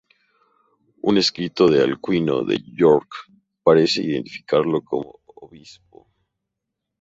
Un escrito de Alcuino de York parece identificarlo como obispo.